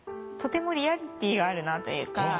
とてもリアリティーがあるなというか。